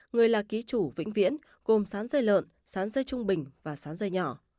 người là ký chủ vĩnh viễn gồm sán dây lợn sán dây trung bình và sán dây nhỏ